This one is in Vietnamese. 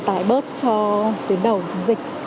tại bớt cho tiến đầu dịch